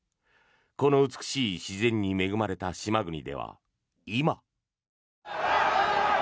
この美しい自然に恵まれた島国では今。